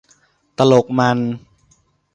ตลกมัน